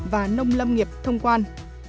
và nông lâm nghiệp thông quan